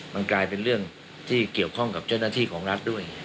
มันกลายเป็นเรื่องที่เกี่ยวข้องกับเจ้าหน้าที่ของรัฐด้วย